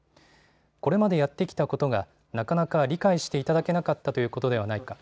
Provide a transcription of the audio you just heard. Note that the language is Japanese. これまでやってきたことがなかなか理解していただけなかったということではないか。